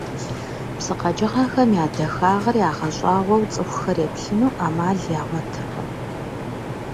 Псы къэкӀыгъэхэм я дахагъыр ягъэщӀагъуэу цӀыхухэр еплъыну Ӏэмал ягъуэтыркъым.